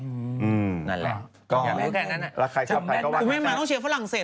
กูไม่มาต้องเชียวฝรั่งเศส